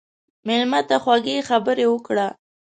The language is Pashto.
مېلمه ته خوږې خبرې وکړه.